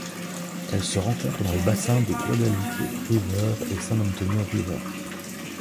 Elle se rencontre dans le bassin des Guadalupe River et San Antonio River.